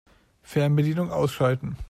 Fernbedienung ausschalten.